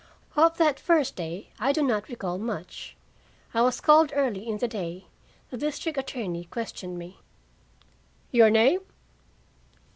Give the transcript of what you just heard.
Of that first day I do not recall much. I was called early in the day. The district attorney questioned me. "Your name?"